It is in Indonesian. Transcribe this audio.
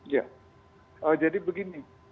ya jadi begini